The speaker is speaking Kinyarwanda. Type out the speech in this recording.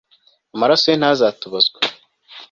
amaraso ye ntazatubazwe